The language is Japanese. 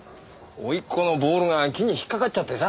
甥っ子のボールが木に引っかかっちゃってさ。